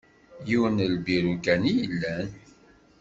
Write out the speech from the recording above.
Yiwen n lbiru kan i yellan.